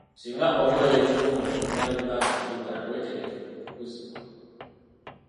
Singa okolera ekitongole okumala ebbanga eriwera wetegekere okukuzibwa.